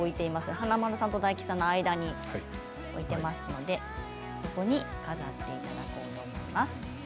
華丸さんと大吉さんの間に置いていますので、そこに飾っていただこうと思います。